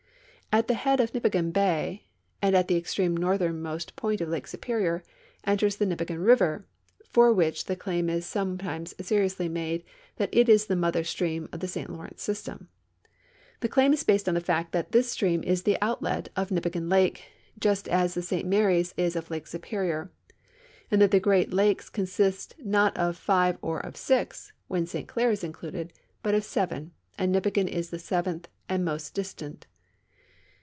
At the head of Nipigon bay and at the extreme northernmost point of Lake Superior enters tlie Nipigon river, for whicli the claim is sometimes seriously made that it is the mother stream of the St Lawrence system. The claim is based on the fact that this stream is the outlet of Nipigon lake, just as the St Marys is of Lake Superior, and that the (Jreat Lakes consist not of five or 120 AREA AND DRAINAGE BASIN OF LAKE SUPERIOR of six (when St Clair is included), but of seven, and Nipigon is the seventh and most distant.